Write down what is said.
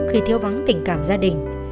khi thiếu vắng tình cảm gia đình